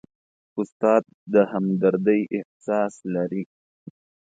استاد د همدردۍ احساس لري.